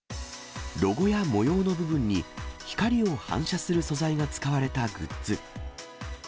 ロゴや模様の部分に光を反射する素材が使われたグッズ。